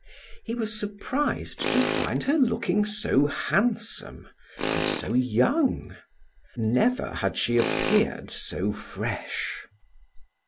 He was surprised to find her looking so handsome and so young. Never had she appeared so fresh.